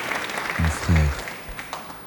Mon frère.